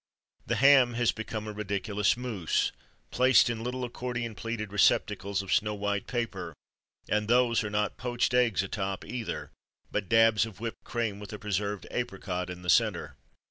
The ham has become a ridiculous mousse, placed in little accordion pleated receptacles of snow white paper; and those are not poached eggs atop, either, but dabs of whipped cream with a preserved apricot in the centre.